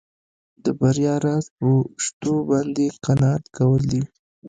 د بریا راز په شتو باندې قناعت کول دي.